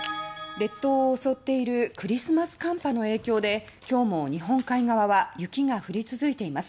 列島を襲っているクリスマス寒波の影響で今日も日本海側は雪が降り続いています。